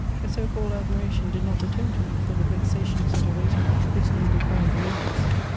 A so called admiration did not atone to me for the vexations that await a man whose name the crowd remembers.